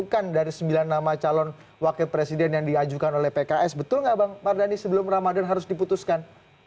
bukan dari sembilan nama calon wakil presiden yang diajukan oleh pks betul nggak bang mardhani sebelum ramadhan harus diputuskan